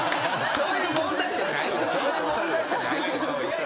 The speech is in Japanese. そういう問題じゃないけど。